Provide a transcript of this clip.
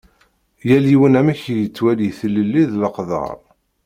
Yal yiwen amek i yettwali tilelli d leqder.